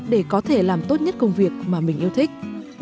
để có thể làm tốt nhất công việc mà mình yêu thích